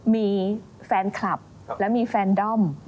มีแฟนคลับและมีแฟนด้อม